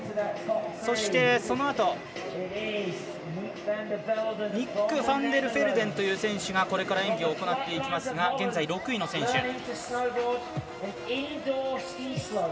そして、そのあとニック・ファンデルフェルデンという選手がこれから演技を行っていきますが現在６位の選手。